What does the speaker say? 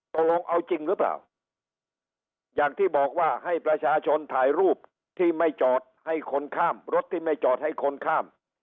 ตกลงเอาจริงหรือเปล่าอย่างที่บอกว่าให้ประชาชนถ่ายรูปที่ไม่จอดให้คนข้าม